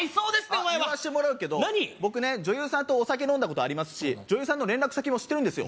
お前はあっ言わしてもらうけど僕ね女優さんとお酒飲んだことありますし女優さんの連絡先も知ってるんですよ